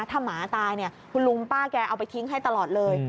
ถ้าหมาตายคุณลุงป้าแกเอาไปทิ้งให้ตลอดเลย